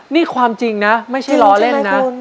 นี่ความจริงนะไม่ใช่ล้อเล่นนะ